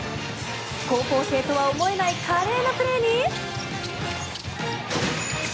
高校生とは思えない華麗なプレーに。